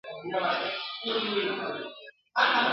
د غوایانو به ور څیري کړي نسونه» ..